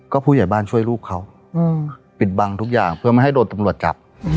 ก็ผู้ใหญ่บ้านช่วยลูกเขาปิดบังทุกอย่างเพื่อไม่ให้โดนตำรวจจับ